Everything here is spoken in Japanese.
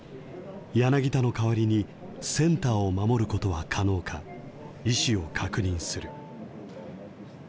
柳田の代わりにセンターを守ることは可能か意思を確認する。